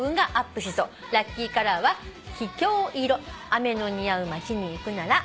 「雨の似合う街に行くなら」